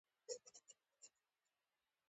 دا کتابونه پنځو وچه هېوادونو پورې اړوند وو.